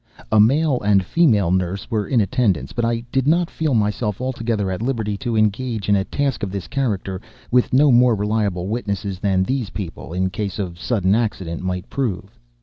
A male and a female nurse were in attendance; but I did not feel myself altogether at liberty to engage in a task of this character with no more reliable witnesses than these people, in case of sudden accident, might prove.